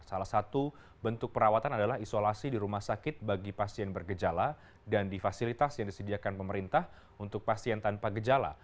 salah satu bentuk perawatan adalah isolasi di rumah sakit bagi pasien bergejala dan di fasilitas yang disediakan pemerintah untuk pasien tanpa gejala